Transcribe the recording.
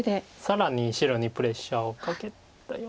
更に白にプレッシャーをかけたような。